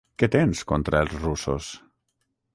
Què tens contra els russos?